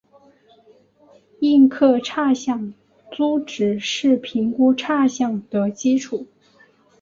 应课差饷租值是评估差饷的基础。